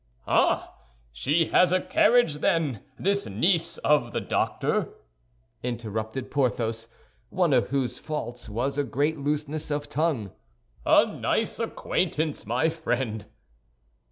"Ah! She has a carriage, then, this niece of the doctor?" interrupted Porthos, one of whose faults was a great looseness of tongue. "A nice acquaintance, my friend!"